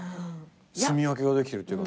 すみ分けができてるっていうか。